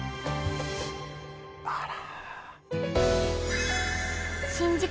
あら！